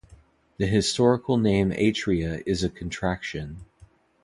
The historical name "Atria" is a contraction.